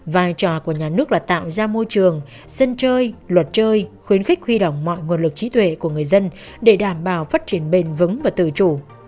vai trò của nhà nước là tạo ra môi trường sân chơi luật chơi khuyến khích huy động mọi nguồn lực trí tuệ của người dân để đảm bảo phát triển bền vững và tự chủ